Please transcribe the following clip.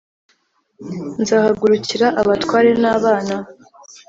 nzahagurukira abatware n abana